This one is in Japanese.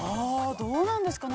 ◆どうなんですかね。